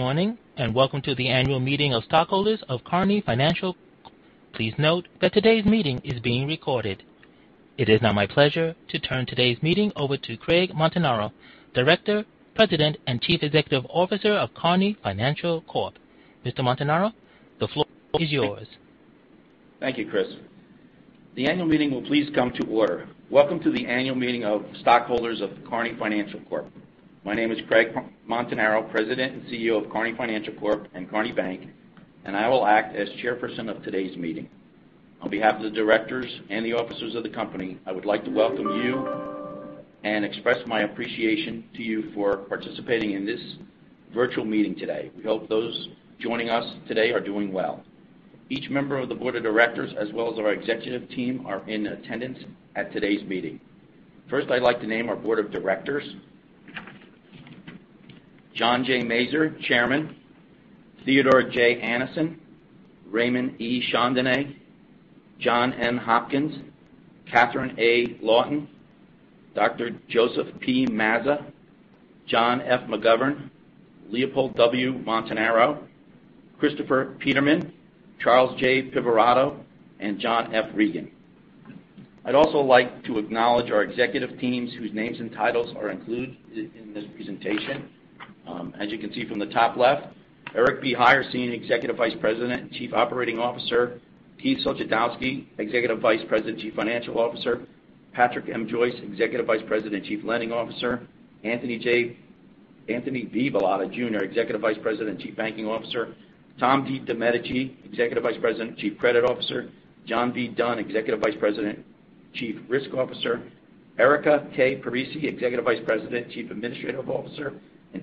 Good morning, and welcome to the annual meeting of stockholders of Kearny Financial. Please note that today's meeting is being recorded. It is now my pleasure to turn today's meeting over to Craig Montanaro, Director, President, and Chief Executive Officer of Kearny Financial Corp. Mr. Montanaro, the floor is yours. Thank you, Chris. The annual meeting will please come to order. Welcome to the annual meeting of stockholders of Kearny Financial Corp. My name is Craig Montanaro, President and CEO of Kearny Financial Corp. and Kearny Bank, and I will act as chairperson of today's meeting. On behalf of the directors and the officers of the company, I would like to welcome you and express my appreciation to you for participating in this virtual meeting today. We hope those joining us today are doing well. Each member of the board of directors, as well as our executive team, are in attendance at today's meeting. First, I'd like to name our board of directors. John J. Mazur, Chairman, Theodore J. Aanensen, Raymond E. Chandonnet, John N. Hopkins, Catherine A. Lawton, Dr. Joseph P. Mazza, John F. McGovern, Leopold W. Montanaro, Christopher Petermann, Charles J. Pivirotto, and John F. Regan. I'd also like to acknowledge our executive teams whose names and titles are included in this presentation. As you can see from the top left, Eric B. Heyer, Senior Executive Vice President and Chief Operating Officer. Keith Suchodolski, Executive Vice President, Chief Financial Officer. Patrick M. Joyce, Executive Vice President, Chief Lending Officer. Anthony V. Bilotta Jr., Executive Vice President and Chief Banking Officer. Thomas D. DeMedici, Executive Vice President and Chief Credit Officer. John V. Dunne, Executive Vice President and Chief Risk Officer. Erika K. Parisi, Executive Vice President and Chief Administrative Officer.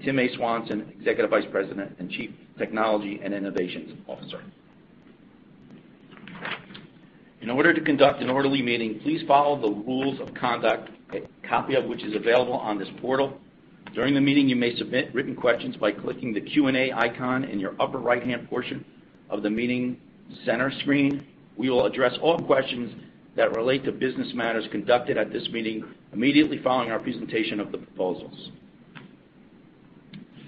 Tim A. Swansson, Executive Vice President and Chief Technology and Innovation Officer. In order to conduct an orderly meeting, please follow the rules of conduct, a copy of which is available on this portal. During the meeting, you may submit written questions by clicking the Q&A icon in your upper right-hand portion of the meeting center screen. We will address all questions that relate to business matters conducted at this meeting immediately following our presentation of the proposals.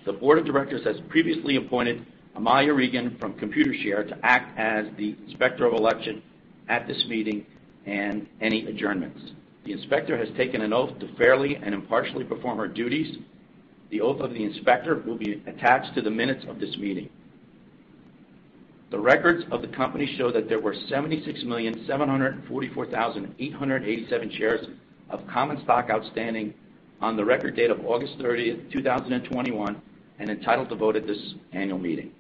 The board of directors has previously appointed Amilja Regan from Computershare to act as the inspector of election at this meeting and any adjournments. The inspector has taken an oath to fairly and impartially perform her duties. The oath of the inspector will be attached to the minutes of this meeting. The records of the company show that there were 76,744,887 shares of common stock outstanding on the record date of August 30th, 2021, and entitled to vote at this annual meeting.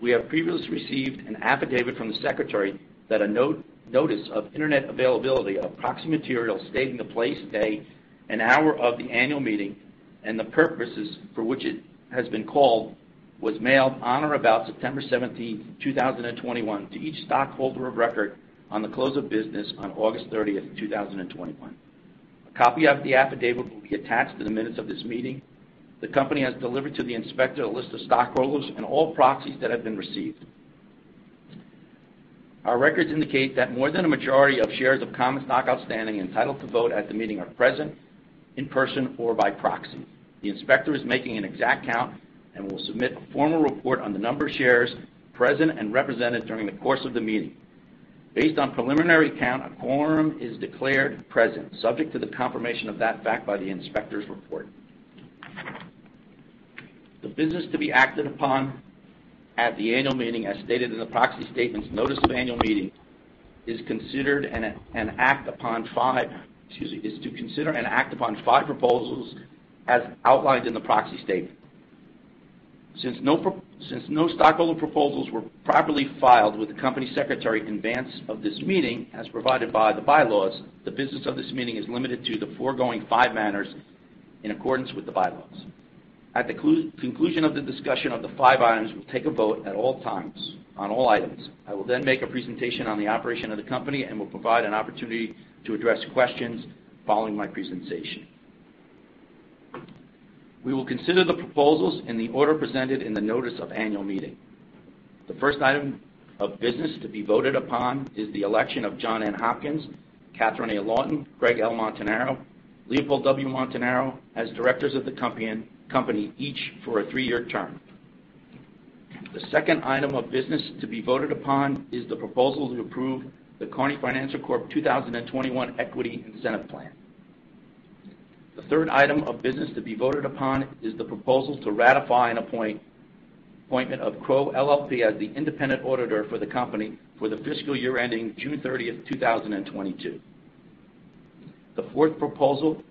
We have previously received an affidavit from the secretary that a notice of Internet availability of proxy materials stating the place, day, and hour of the annual meeting and the purposes for which it has been called was mailed on or about September 17th, 2021 to each stockholder of record on the close of business on August 30th, 2021. A copy of the affidavit will be attached to the minutes of this meeting. The company has delivered to the inspector a list of stockholders and all proxies that have been received. Our records indicate that more than a majority of shares of common stock outstanding entitled to vote at the meeting are present in person or by proxy. The inspector is making an exact count and will submit a formal report on the number of shares present and represented during the course of the meeting. Based on preliminary count, a quorum is declared present, subject to the confirmation of that fact by the inspector's report. The business to be acted upon at the annual meeting, as stated in the proxy statement's notice of annual meeting, is to consider and act upon five proposals as outlined in the proxy statement. Since no stockholder proposals were properly filed with the company secretary in advance of this meeting, as provided by the bylaws, the business of this meeting is limited to the foregoing five matters in accordance with the bylaws. At the conclusion of the discussion of the five items, we'll take a vote on all items. I will then make a presentation on the operation of the company and will provide an opportunity to address questions following my presentation. We will consider the proposals in the order presented in the notice of annual meeting. The first item of business to be voted upon is the election of John N. Hopkins, Catherine A. Lawton, Craig L. Montanaro, Leopold W. Montanaro as directors of the company, each for a three-year term. The second item of business to be voted upon is the proposal to approve the Kearny Financial Corp. 2021 Equity Incentive Plan. The third item of business to be voted upon is the proposal to ratify and appointment of Crowe LLP as the independent auditor for the company for the fiscal year ending June 30th, 2022. The fourth proposal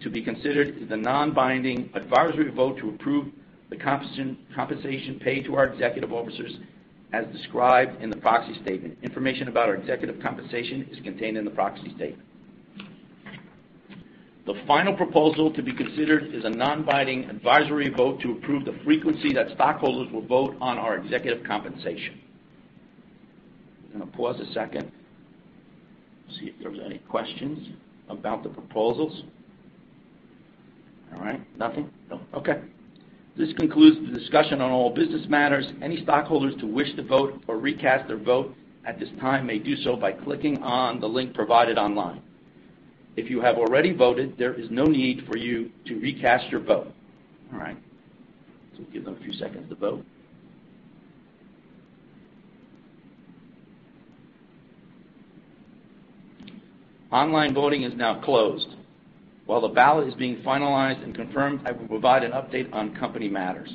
to be considered is a non-binding advisory vote to approve the compensation paid to our executive officers as described in the proxy statement. Information about our executive compensation is contained in the proxy statement. The final proposal to be considered is a non-binding advisory vote to approve the frequency that stockholders will vote on our executive compensation. I'm gonna pause a second, see if there's any questions about the proposals. All right. Nothing? No. Okay. This concludes the discussion on all business matters. Any stockholders who wish to vote or recast their vote at this time may do so by clicking on the link provided online. If you have already voted, there is no need for you to recast your vote. All right. Give them a few seconds to vote. Online voting is now closed. While the ballot is being finalized and confirmed, I will provide an update on company matters.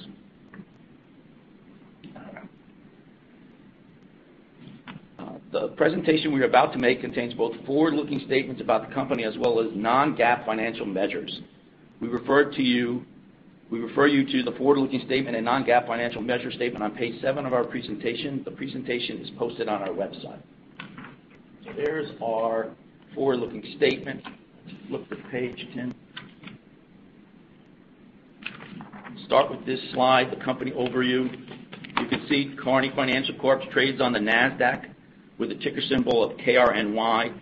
The presentation we are about to make contains both forward-looking statements about the company as well as non-GAAP financial measures. We refer you to the forward-looking statement and non-GAAP financial measure statement on page 7 of our presentation. The presentation is posted on our website. There's our forward-looking statement. Look to page 10. Start with this slide, the company overview. You can see Kearny Financial Corp. trades on the Nasdaq with a ticker symbol of KRNY.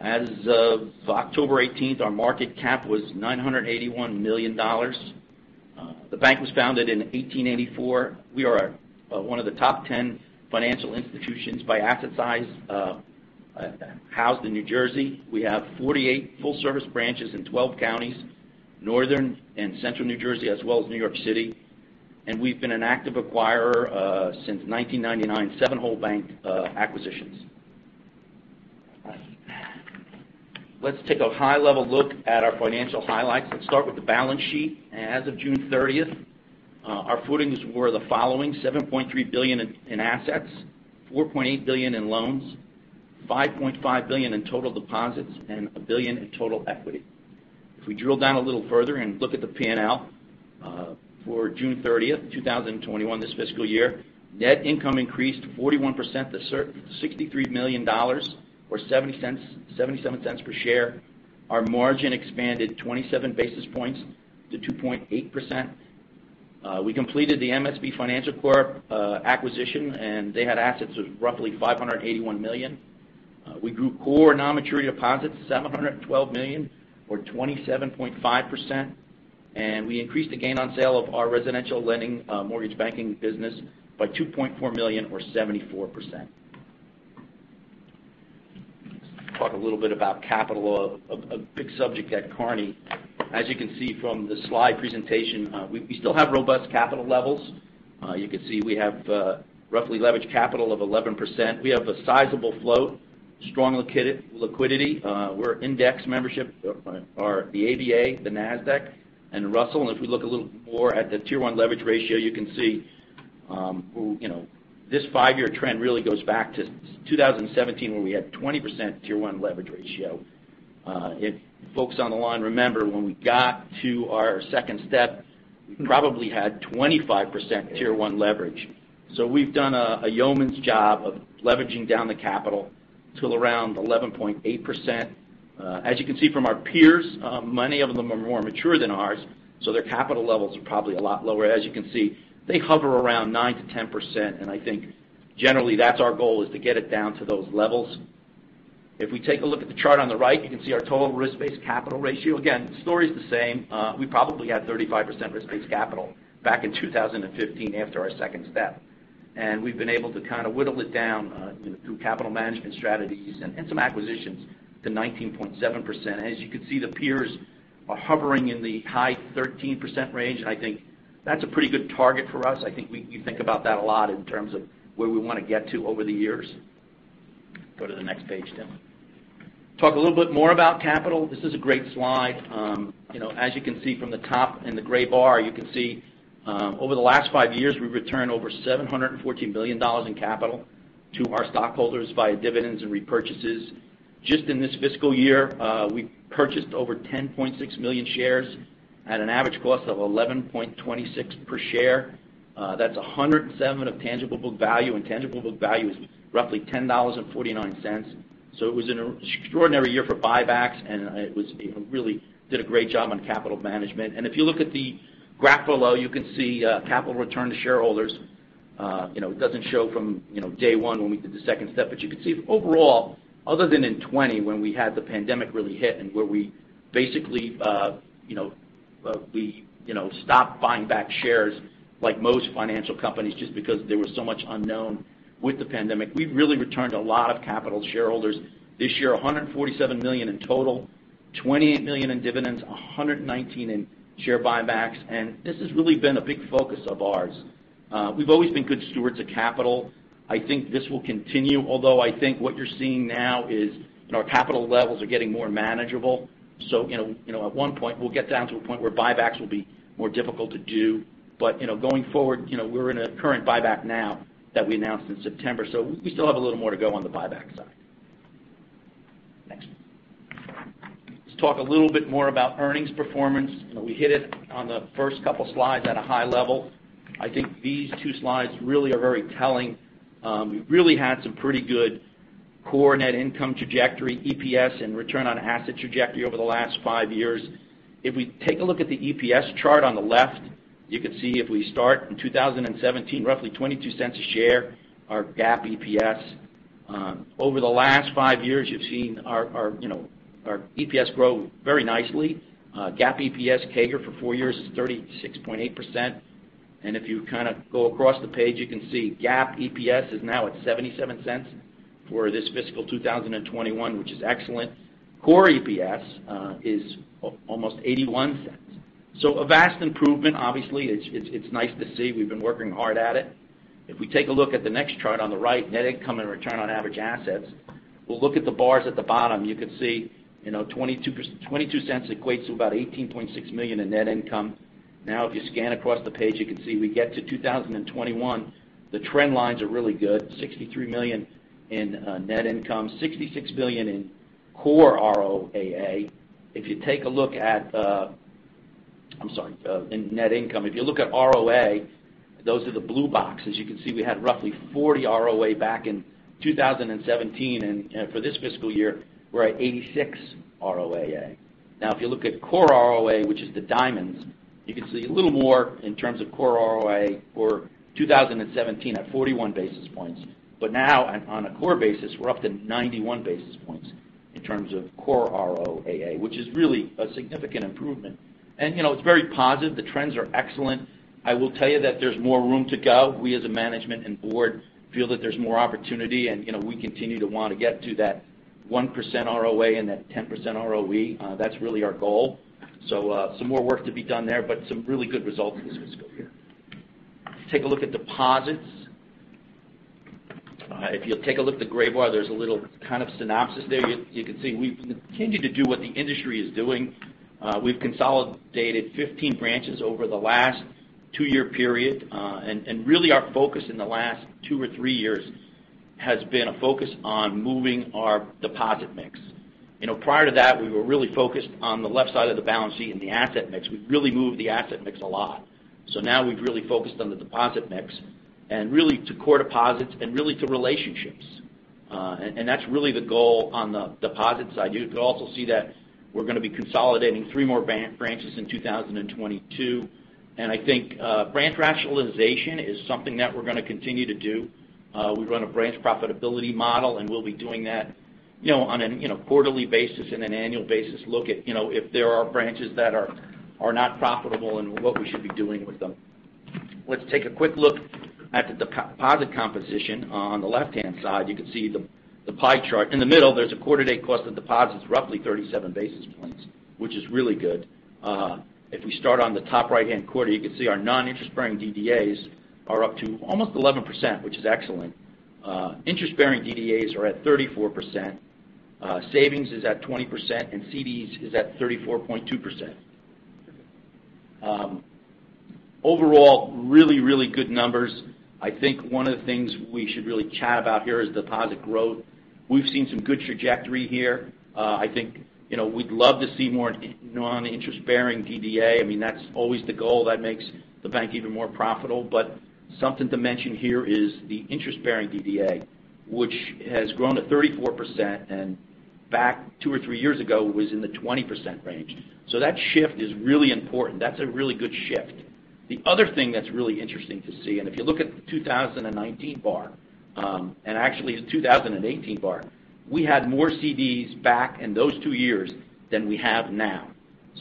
As of October 18th, our market cap was $981 million. The bank was founded in 1884. We are one of the top 10 financial institutions by asset size housed in New Jersey. We have 48 full-service branches in 12 counties, northern and central New Jersey, as well as New York City. We've been an active acquirer since 1999, 7 whole bank acquisitions. Let's take a high-level look at our financial highlights. Let's start with the balance sheet. As of June 30, our footings were the following, $7.3 billion in assets, $4.8 billion in loans, $5.5 billion in total deposits, and $1 billion in total equity. If we drill down a little further and look at the P&L for June 30th, 2021, this fiscal year, net income increased 41% to $63 million, or $0.77 per share. Our margin expanded 27 basis points to 2.8%. We completed the MSB Financial Corp. acquisition, and they had assets of roughly $581 million. We grew core non-maturity deposits $712 million or 27.5%. We increased the gain on sale of our residential lending mortgage banking business by $2.4 million or 74%. Let's talk a little bit about capital, a big subject at Kearny. As you can see from the slide presentation, we still have robust capital levels. You can see we have roughly leveraged capital of 11%. We have a sizable float, strong liquidity. We're index membership in the ABA, the Nasdaq, and Russell. If we look a little more at the Tier 1 leverage ratio, you can see you know, this five-year trend really goes back to 2017, where we had 20% Tier 1 leverage ratio. If folks on the line remember, when we got to our second step, we probably had 25% Tier 1 leverage. We've done a yeoman's job of leveraging down the capital to around 11.8%. As you can see from our peers, many of them are more mature than ours, so their capital levels are probably a lot lower. As you can see, they hover around 9%-10%, and I think generally that's our goal, is to get it down to those levels. If we take a look at the chart on the right, you can see our total risk-based capital ratio. Again, the story's the same. We probably had 35% risk-based capital back in 2015 after our second step. We've been able to kind of whittle it down, you know, through capital management strategies and some acquisitions to 19.7%. As you can see, the peers are hovering in the high 13% range, and I think that's a pretty good target for us. I think we think about that a lot in terms of where we want to get to over the years. Go to the next page, Tim. Talk a little bit more about capital. This is a great slide. You know, as you can see from the top in the gray bar, you can see, over the last five years, we've returned over $714 billion in capital to our stockholders via dividends and repurchases. Just in this fiscal year, we purchased over 10.6 million shares at an average cost of $11.26 per share. That's 107% of tangible book value, and tangible book value is roughly $10.49. So it was an extraordinary year for buybacks, and it really did a great job on capital management. If you look at the graph below, you can see, capital return to shareholders. You know, it doesn't show from, you know, day one when we did the second step. You can see overall, other than in 2020 when we had the pandemic really hit and where we basically, you know, we stopped buying back shares like most financial companies just because there was so much unknown with the pandemic. We've really returned a lot of capital to shareholders. This year, $147 million in total, $28 million in dividends, $119 million in share buybacks, and this has really been a big focus of ours. You know, we've always been good stewards of capital. I think this will continue, although I think what you're seeing now is our capital levels are getting more manageable. You know, at one point, we'll get down to a point where buybacks will be more difficult to do. You know, going forward, you know, we're in a current buyback now that we announced in September. We still have a little more to go on the buyback side. Next. Let's talk a little bit more about earnings performance. You know, we hit it on the first couple slides at a high level. I think these two slides really are very telling. We really had some pretty good core net income trajectory, EPS and return on assets trajectory over the last five years. If we take a look at the EPS chart on the left, you can see if we start in 2017, roughly $0.22 a share, our GAAP EPS. Over the last 5 years, you've seen our, you know, our EPS grow very nicely. GAAP EPS CAGR for 4 years is 36.8%. And if you kind of go across the page, you can see GAAP EPS is now at $0.77 for this fiscal 2021, which is excellent. Core EPS is almost $0.81. So a vast improvement. Obviously, it's nice to see. We've been working hard at it. If we take a look at the next chart on the right, net income and return on average assets. We'll look at the bars at the bottom. You can see, you know, $0.22 equates to about $18.6 million in net income. Now, if you scan across the page, you can see we get to 2021, the trend lines are really good, $63 million in net income, $66 million in core ROAA. If you look at ROA, those are the blue boxes. You can see we had roughly 40 ROA back in 2017. For this fiscal year, we're at 86 ROAA. Now, if you look at core ROA, which is the diamonds, you can see a little more in terms of core ROA for 2017 at 41 basis points. Now on a core basis, we're up to 91 basis points in terms of core ROAA, which is really a significant improvement. You know, it's very positive. The trends are excellent. I will tell you that there's more room to go. We, as a management and board, feel that there's more opportunity and, you know, we continue to want to get to that 1% ROA and that 10% ROE. That's really our goal. Some more work to be done there, but some really good results this fiscal year. Take a look at deposits. If you'll take a look at the gray bar, there's a little kind of synopsis there. You can see we've continued to do what the industry is doing. We've consolidated 15 branches over the last 2-year period. And really our focus in the last 2 or 3 years has been a focus on moving our deposit mix. You know, prior to that, we were really focused on the left side of the balance sheet and the asset mix. We've really moved the asset mix a lot. Now we've really focused on the deposit mix and really to core deposits and really to relationships, and that's really the goal on the deposit side. You could also see that we're gonna be consolidating 3 more branches in 2022. I think branch rationalization is something that we're gonna continue to do. We run a branch profitability model, and we'll be doing that, you know, on a quarterly basis and an annual basis look at, you know, if there are branches that are not profitable and what we should be doing with them. Let's take a quick look at the deposit composition. On the left-hand side, you can see the pie chart. In the middle, there's a quarter-to-date cost of deposits, roughly 37 basis points, which is really good. If we start on the top right-hand quarter, you can see our non-interest bearing DDAs are up to almost 11%, which is excellent. Interest-bearing DDAs are at 34%. Savings is at 20%, and CDs is at 34.2%. Overall, really good numbers. I think one of the things we should really chat about here is deposit growth. We've seen some good trajectory here. I think, you know, we'd love to see more non-interest bearing DDA. I mean, that's always the goal that makes the bank even more profitable. Something to mention here is the interest-bearing DDA, which has grown to 34%, and back two or three years ago was in the 20% range. That shift is really important. That's a really good shift. The other thing that's really interesting to see, and if you look at the 2019 bar, and actually the 2018 bar, we had more CDs back in those two years than we have now.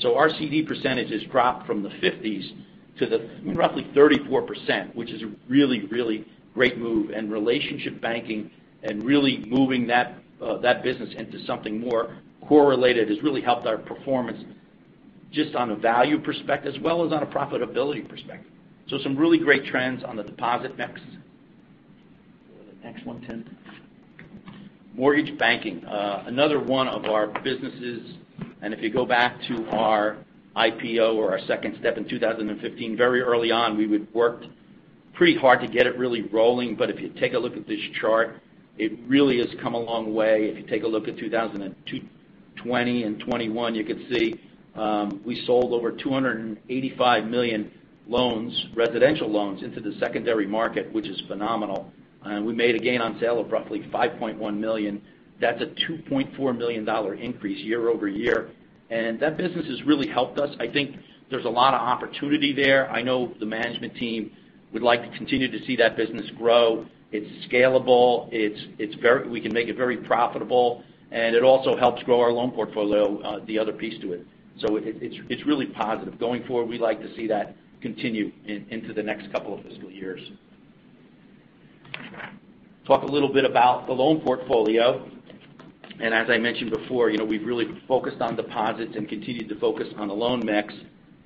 Our CD percentage has dropped from the 50s to roughly 34%, which is a really, really great move. Relationship banking and really moving that business into something more correlated has really helped our performance just on a value perspective as well as on a profitability perspective. Some really great trends on the deposit mix. Go to the next one, Tim. Mortgage banking, another one of our businesses. If you go back to our IPO or our second step in 2015, very early on, we would work pretty hard to get it really rolling. If you take a look at this chart, it really has come a long way. If you take a look at 2020 and 2021, you can see, we sold over $285 million loans, residential loans into the secondary market, which is phenomenal. We made a gain on sale of roughly $5.1 million. That's a $2.4 million increase year-over-year. That business has really helped us. I think there's a lot of opportunity there. I know the management team would like to continue to see that business grow. It's scalable. It's very we can make it very profitable, and it also helps grow our loan portfolio, the other piece to it. It, it's really positive. Going forward, we like to see that continue into the next couple of fiscal years. Talk a little bit about the loan portfolio. As I mentioned before, you know, we've really focused on deposits and continued to focus on the loan mix.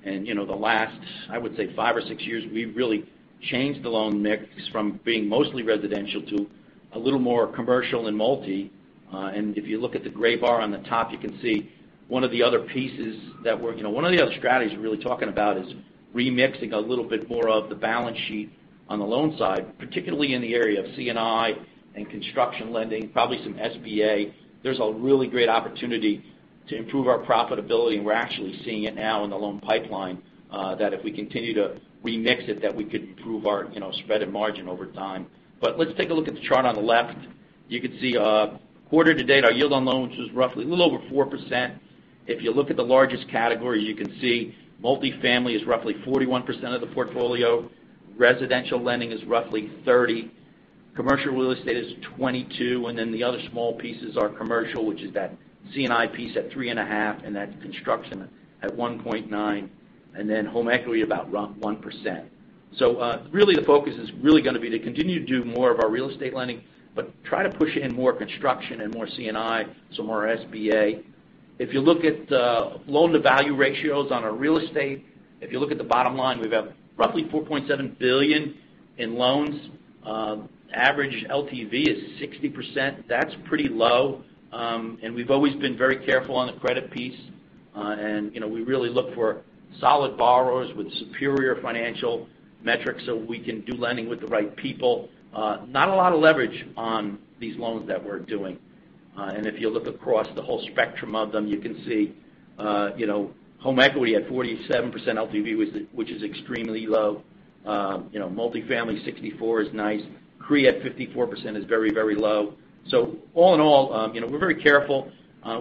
You know, the last, I would say 5 or 6 years, we've really changed the loan mix from being mostly residential to a little more commercial and multi. If you look at the gray bar on the top, you can see one of the other strategies we're really talking about is remixing a little bit more of the balance sheet on the loan side, particularly in the area of C&I and construction lending, probably some SBA. There's a really great opportunity to improve our profitability, and we're actually seeing it now in the loan pipeline, that if we continue to remix it, that we could improve our, you know, spread and margin over time. Let's take a look at the chart on the left. You can see, quarter to date, our yield on loans was roughly a little over 4%. If you look at the largest category, you can see multifamily is roughly 41% of the portfolio. Residential lending is roughly 30%. Commercial real estate is 22%, and then the other small pieces are commercial, which is that C&I piece at 3.5%, and that construction at 1.9%, and then home equity about 1%. really the focus is really going to be to continue to do more of our real estate lending, but try to push in more construction and more C&I, some more SBA. If you look at the loan-to-value ratios on our real estate, if you look at the bottom line, we've got roughly $4.7 billion in loans. Average LTV is 60%. That's pretty low, and we've always been very careful on the credit piece. You know, we really look for solid borrowers with superior financial metrics so we can do lending with the right people. Not a lot of leverage on these loans that we're doing. If you look across the whole spectrum of them, you can see, you know, home equity at 47% LTV, which is extremely low. You know, multifamily 64% is nice. CRE at 54% is very, very low. All in all, you know, we're very careful.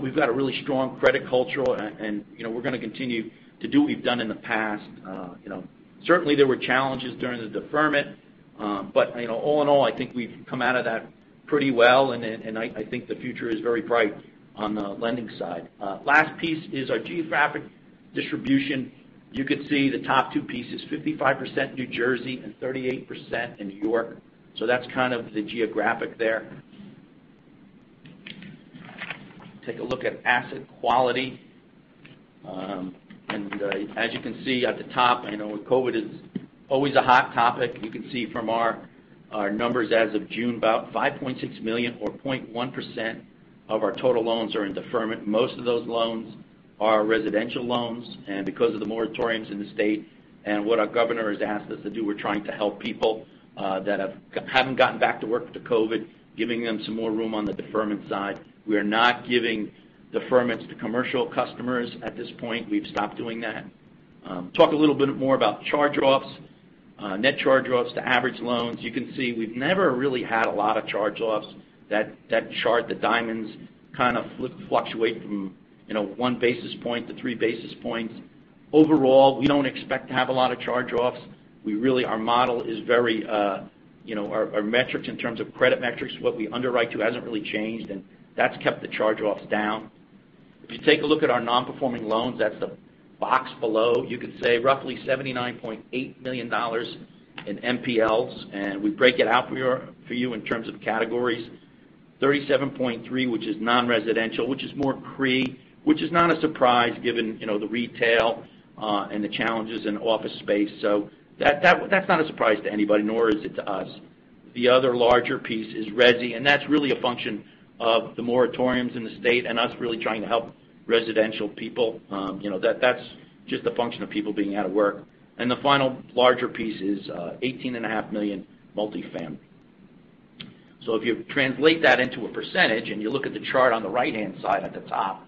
We've got a really strong credit culture and, you know, we're going to continue to do what we've done in the past. You know, certainly there were challenges during the deferment, but, you know, all in all, I think we've come out of that pretty well, and I think the future is very bright on the lending side. Last piece is our geographic distribution. You could see the top two pieces, 55% New Jersey and 38% in New York. That's kind of the geographic there. Take a look at asset quality. As you can see at the top, I know COVID is always a hot topic. You can see from our numbers as of June, about $5.6 million or 0.1% of our total loans are in deferment. Most of those loans are residential loans. Because of the moratoriums in the state and what our governor has asked us to do, we're trying to help people that haven't gotten back to work with the COVID, giving them some more room on the deferment side. We are not giving deferments to commercial customers at this point. We've stopped doing that. Talk a little bit more about charge-offs. Net charge-offs to average loans. You can see we've never really had a lot of charge-offs. That chart, the diamonds kind of fluctuate from, you know, one basis point to three basis points. Overall, we don't expect to have a lot of charge-offs. We really... Our model is very, you know, our metrics in terms of credit metrics, what we underwrite to hasn't really changed, and that's kept the charge-offs down. If you take a look at our non-performing loans, that's the box below. You could say roughly $79.8 million in NPLs, and we break it out for you in terms of categories. $37.3, which is non-residential, which is more CRE, which is not a surprise given, you know, the retail, and the challenges in office space. So that's not a surprise to anybody, nor is it to us. The other larger piece is resi, and that's really a function of the moratoriums in the state and us really trying to help residential people. You know, that's just a function of people being out of work. The final larger piece is $18.5 million multifamily. So if you translate that into a percentage, and you look at the chart on the right-hand side at the top,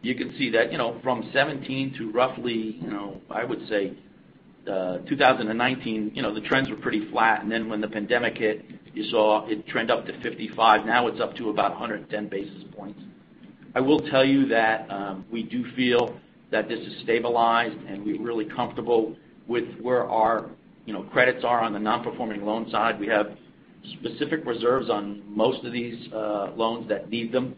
you can see that, you know, from 2017 to roughly, you know, I would say, 2019, you know, the trends were pretty flat. Then when the pandemic hit, you saw it trend up to 55. Now it's up to about 110 basis points. I will tell you that, we do feel that this is stabilized, and we're really comfortable with where our, you know, credits are on the non-performing loan side. We have specific reserves on most of these, loans that need them.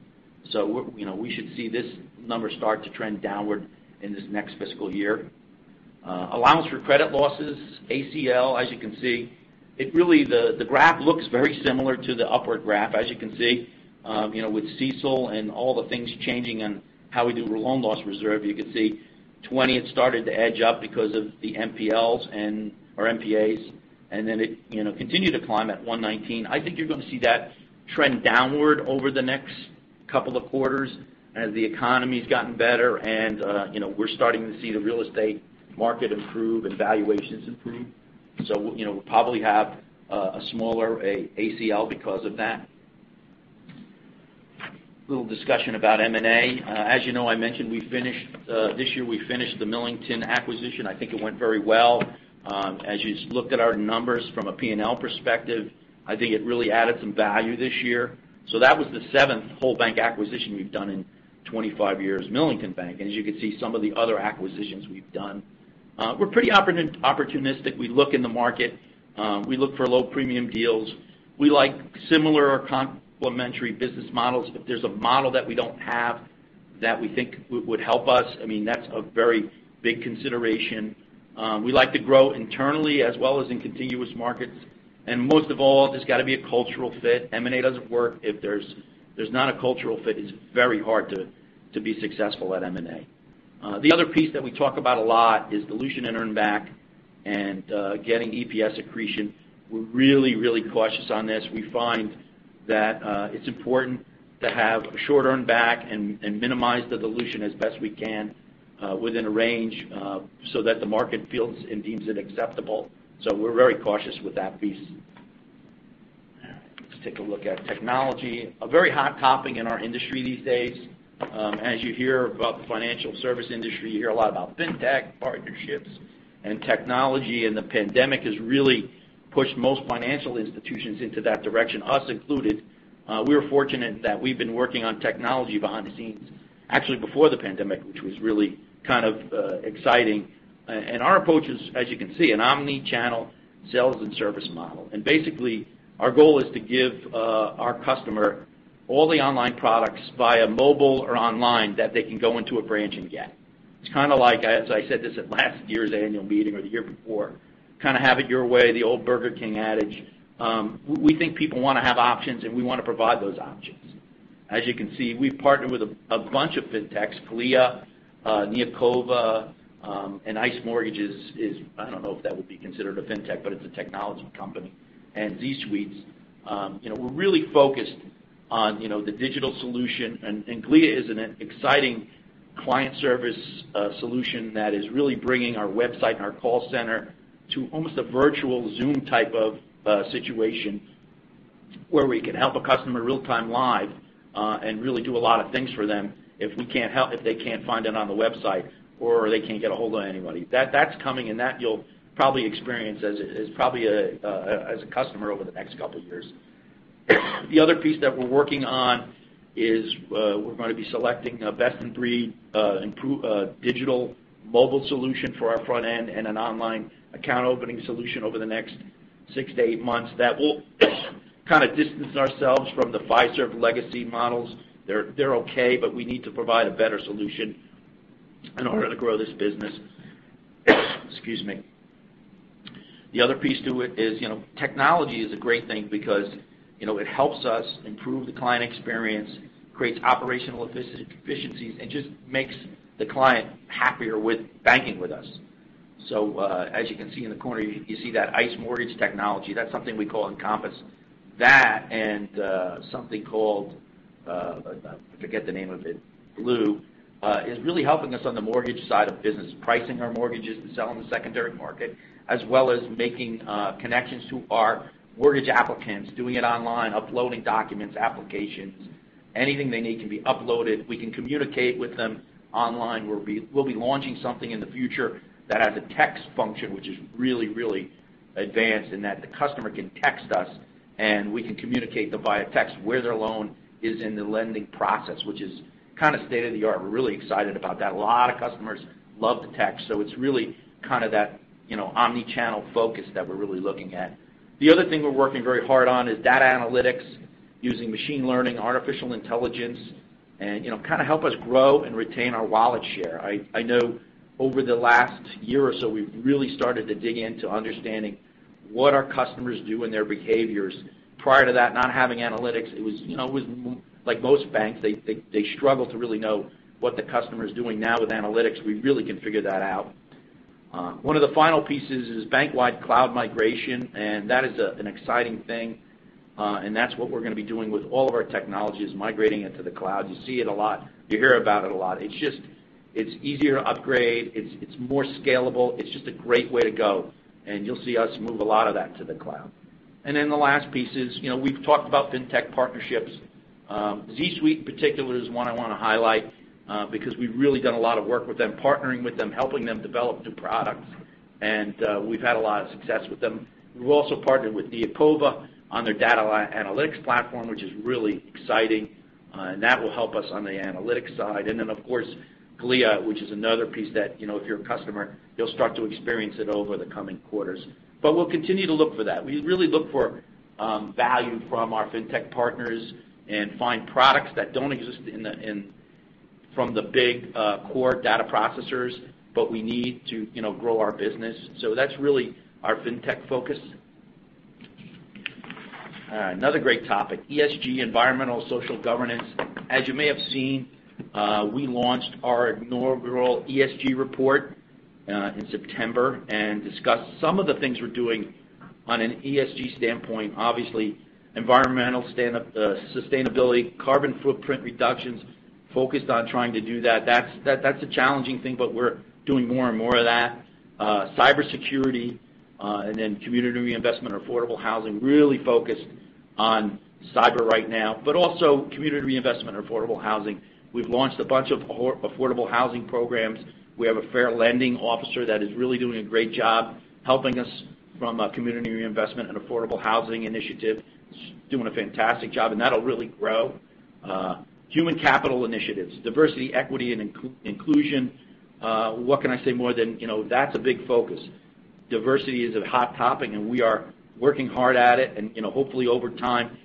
So we're, you know, we should see this number start to trend downward in this next fiscal year. Allowance for credit losses, ACL, as you can see, the graph looks very similar to the upward graph. As you can see, you know, with CECL and all the things changing and how we do loan loss reserve, you can see 2020, it started to edge up because of the NPLs or NPAs. Then it, you know, continued to climb at 119. I think you're going to see that trend downward over the next couple of quarters as the economy's gotten better and, you know, we're starting to see the real estate market improve and valuations improve. You know, we'll probably have a smaller ACL because of that. A little discussion about M&A. As you know, I mentioned we finished this year, we finished the Millington acquisition. I think it went very well. As you look at our numbers from a P&L perspective, I think it really added some value this year. That was the seventh whole bank acquisition we've done in 25 years, Millington Bank. As you can see, some of the other acquisitions we've done. We're pretty opportunistic. We look in the market. We look for low premium deals. We like similar or complementary business models. If there's a model that we don't have that we think would help us, I mean, that's a very big consideration. We like to grow internally as well as in contiguous markets. Most of all, there's got to be a cultural fit. M&A doesn't work if there's not a cultural fit. It's very hard to be successful at M&A. The other piece that we talk about a lot is dilution and earn back and getting EPS accretion. We're really cautious on this. We find that it's important to have short earn back and minimize the dilution as best we can within a range so that the market feels and deems it acceptable. So we're very cautious with that piece. Let's take a look at technology. A very hot topic in our industry these days. As you hear about the financial service industry, you hear a lot about fintech partnerships and technology, and the pandemic has really pushed most financial institutions into that direction, us included. We're fortunate that we've been working on technology behind the scenes actually before the pandemic, which was really kind of exciting. Our approach is, as you can see, an omni-channel sales and service model. Basically, our goal is to give our customers all the online products via mobile or online that they can go into a branch and get. It's kind of like, as I said this at last year's annual meeting or the year before, kind of have it your way, the old Burger King adage. We think people want to have options, and we want to provide those options. As you can see, we've partnered with a bunch of fintechs, Glia, Neocova, and ICE Mortgage is, I don't know if that would be considered a fintech, but it's a technology company, and ZSuite. You know, we're really focused on, you know, the digital solution. Glia is an exciting client service solution that is really bringing our website and our call center to almost a virtual Zoom type of situation, where we can help a customer real-time live, and really do a lot of things for them if they can't find it on the website or they can't get ahold of anybody. That's coming, and that you'll probably experience as a customer over the next couple years. The other piece that we're working on is, we're gonna be selecting a best in breed, a digital mobile solution for our front end and an online account opening solution over the next 6-8 months that will kind of distance ourselves from the Fiserv legacy models. They're okay, but we need to provide a better solution in order to grow this business. Excuse me. The other piece to it is, you know, technology is a great thing because, you know, it helps us improve the client experience, creates operational efficiencies, and just makes the client happier with banking with us. As you can see in the corner, you see that ICE Mortgage Technology. That's something we call Encompass. That and something called, I forget the name of it, Blue, is really helping us on the mortgage side of business, pricing our mortgages and selling the secondary market, as well as making connections to our mortgage applicants, doing it online, uploading documents, applications. Anything they need can be uploaded. We can communicate with them online. We'll be launching something in the future that has a text function which is really, really advanced in that the customer can text us, and we can communicate to via text where their loan is in the lending process, which is kind of state-of-the-art. We're really excited about that. A lot of customers love to text, so it's really kind of that, you know, omni-channel focus that we're really looking at. The other thing we're working very hard on is data analytics using machine learning, artificial intelligence, and, you know, kind of help us grow and retain our wallet share. I know over the last year or so, we've really started to dig into understanding what our customers do and their behaviors. Prior to that, not having analytics, it was like most banks, they struggle to really know what the customer is doing. Now with analytics, we really can figure that out. One of the final pieces is bank-wide cloud migration, and that is an exciting thing, and that's what we're gonna be doing with all of our technologies, migrating it to the cloud. You see it a lot. You hear about it a lot. It's just easier to upgrade. It's more scalable. It's just a great way to go, and you'll see us move a lot of that to the cloud. The last piece is, we've talked about fintech partnerships. ZSuite in particular is one I want to highlight, because we've really done a lot of work with them, partnering with them, helping them develop new products, and we've had a lot of success with them. We've also partnered with Neocova on their data analytics platform, which is really exciting. That will help us on the analytics side. Then of course, Glia, which is another piece that, you know, if you're a customer, you'll start to experience it over the coming quarters. We'll continue to look for that. We really look for value from our fintech partners and find products that don't exist from the big core data processors, but we need to, you know, grow our business. That's really our fintech focus. All right, another great topic, ESG, environmental social governance. As you may have seen, we launched our inaugural ESG report in September and discussed some of the things we're doing on an ESG standpoint. Obviously, environmental sustainability, carbon footprint reductions, focused on trying to do that. That's a challenging thing, but we're doing more and more of that. Cybersecurity, and then community reinvestment, affordable housing, really focused on cyber right now, but also community reinvestment, affordable housing. We've launched a bunch of affordable housing programs. We have a fair lending officer that is really doing a great job helping us from a community reinvestment and affordable housing initiative. She's doing a fantastic job, and that'll really grow. Human capital initiatives, diversity, equity, and inclusion. What can I say more than, you know, that's a big focus. Diversity is a hot topic, and we are working hard at it. You know, hopefully over time,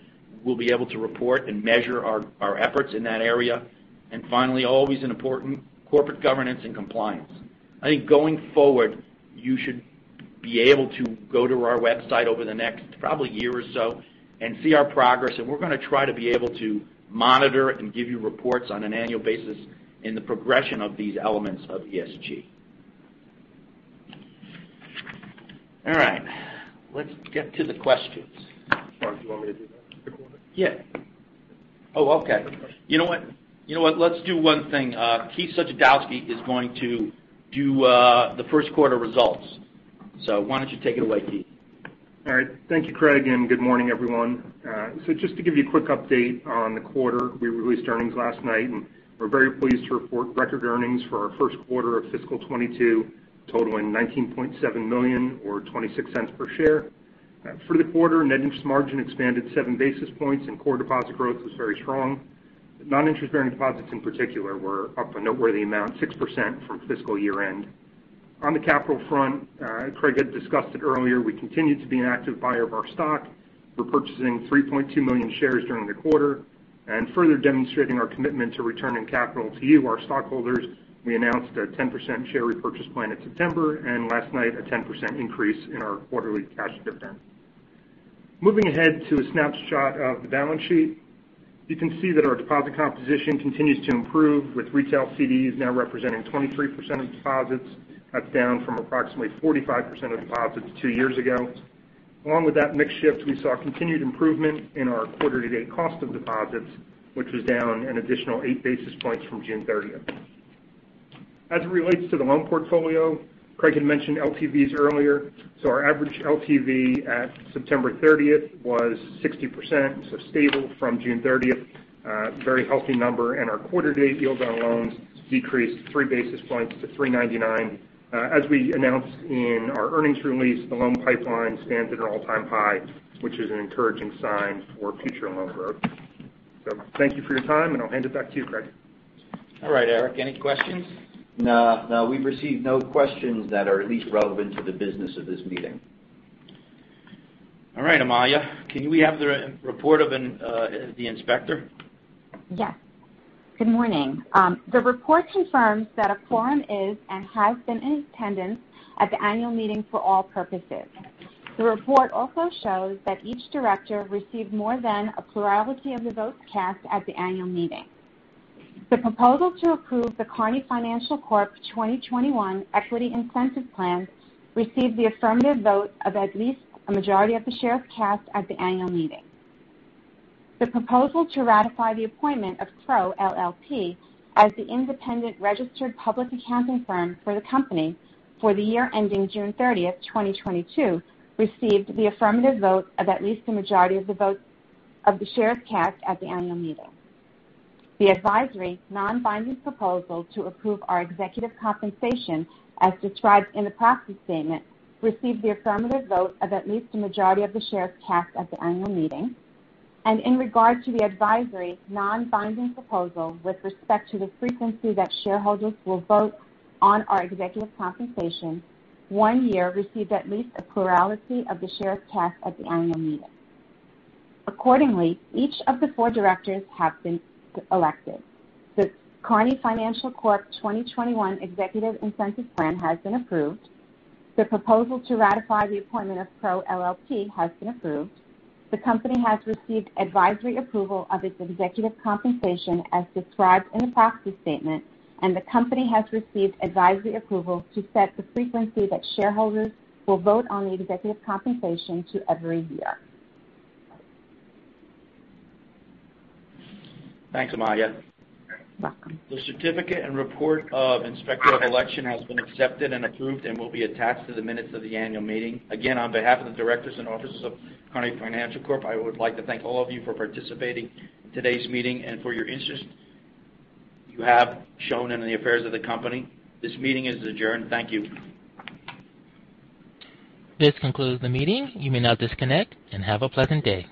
we'll be able to report and measure our efforts in that area. Finally, always an important, corporate governance and compliance. I think going forward, you should be able to go to our website over the next probably year or so and see our progress, and we're gonna try to be able to monitor and give you reports on an annual basis in the progression of these elements of ESG. All right, let's get to the questions. All right, do you want me to do that quick one? Yeah. Oh, okay. You know what? Let's do one thing. Keith Suchodolski is going to do the first quarter results. Why don't you take it away, Keith? All right. Thank you, Craig, and good morning, everyone. So just to give you a quick update on the quarter, we released earnings last night. We're very pleased to report record earnings for our first quarter of fiscal 2022, totaling $19.7 million or $0.26 per share. For the quarter, net interest margin expanded 7 basis points and core deposit growth was very strong. Non-interest-bearing deposits in particular were up a noteworthy amount, 6% from fiscal year-end. On the capital front, Craig had discussed it earlier, we continue to be an active buyer of our stock. We're purchasing 3.2 million shares during the quarter and further demonstrating our commitment to returning capital to you, our stockholders. We announced a 10% share repurchase plan in September, and last night a 10% increase in our quarterly cash dividends. Moving ahead to a snapshot of the balance sheet. You can see that our deposit composition continues to improve, with retail CDs now representing 23% of deposits. That's down from approximately 45% of deposits two years ago. Along with that mix shift, we saw continued improvement in our quarter-to-date cost of deposits, which was down an additional 8 basis points from June 30. As it relates to the loan portfolio, Craig had mentioned LTVs earlier. Our average LTV at September 30th was 60%, so stable from June 30th. Very healthy number. Our quarter-to-date yield on loans decreased 3 basis points to 3.99%. As we announced in our earnings release, the loan pipeline stands at an all-time high, which is an encouraging sign for future loan growth. Thank you for your time, and I'll hand it back to you, Craig. All right, Eric, any questions? No, we've received no questions that are at least relevant to the business of this meeting. All right, Amilja, can we have the report of the inspector? Yes. Good morning. The report confirms that a quorum is and has been in attendance at the annual meeting for all purposes. The report also shows that each director received more than a plurality of the votes cast at the annual meeting. The proposal to approve the Kearny Financial Corp. 2021 Equity Incentive Plan received the affirmative vote of at least a majority of the shares cast at the annual meeting. The proposal to ratify the appointment of Crowe LLP as the independent registered public accounting firm for the company for the year ending June 30th, 2022 received the affirmative vote of at least a majority of the votes of the shares cast at the annual meeting. The advisory non-binding proposal to approve our executive compensation, as described in the proxy statement, received the affirmative vote of at least a majority of the shares cast at the annual meeting. In regard to the advisory non-binding proposal with respect to the frequency that shareholders will vote on our executive compensation, one year received at least a plurality of the shares cast at the annual meeting. Accordingly, each of the four directors have been elected. The Kearny Financial Corp. 2021 executive incentive plan has been approved. The proposal to ratify the appointment of Crowe LLP has been approved. The company has received advisory approval of its executive compensation as described in the proxy statement, and the company has received advisory approval to set the frequency that shareholders will vote on the executive compensation to every year. Thanks, Amilja. You're welcome. The certificate and report of inspector of election has been accepted and approved and will be attached to the minutes of the annual meeting. Again, on behalf of the directors and officers of Kearny Financial Corp., I would like to thank all of you for participating in today's meeting and for your interest you have shown in the affairs of the company. This meeting is adjourned. Thank you. This concludes the meeting. You may now disconnect and have a pleasant day.